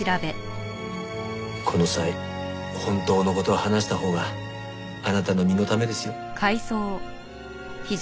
この際本当の事を話したほうがあなたの身のためですよ。